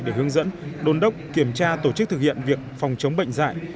để hướng dẫn đồn đốc kiểm tra tổ chức thực hiện việc phòng chống bệnh dạy